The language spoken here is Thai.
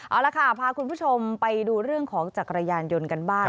เอาละค่ะพาคุณผู้ชมไปดูเรื่องของจักรยานยนต์กันบ้าง